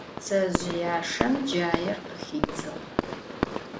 Ptsezjıyaşşem caêr khıxidzığ.